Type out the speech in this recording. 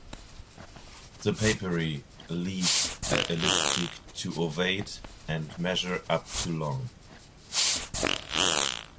The papery leaves are elliptic to ovate and measure up to long.